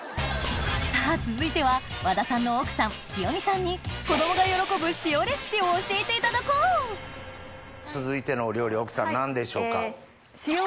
さぁ続いては和田さんの奥さん清美さんにを教えていただこう続いてのお料理奥さん何でしょうか？